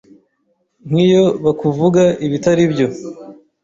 Nk’iyo bakuvuga ibitari byo